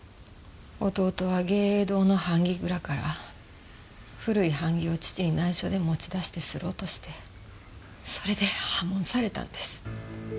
弟は藝榮堂の版木蔵から古い版木を父に内緒で持ち出して摺ろうとしてそれで破門されたんです。